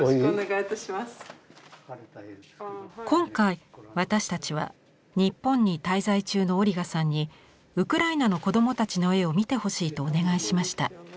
今回私たちは日本に滞在中のオリガさんにウクライナの子どもたちの絵を見てほしいとお願いしました。